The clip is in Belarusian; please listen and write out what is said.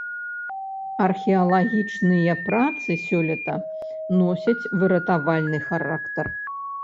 Археалагічныя працы сёлета носяць выратавальны характар.